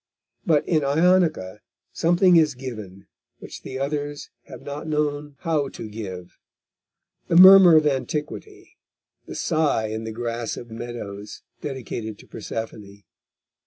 But in Ionica something is given which the others have not known how to give, the murmur of antiquity, the sigh in the grass of meadows dedicated to Persephone.